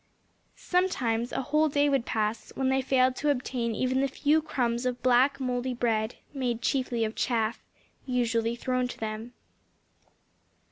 Sometimes a whole day would pass when they failed to obtain even the few crumbs of black mouldy bread (made chiefly of chaff) usually thrown to them.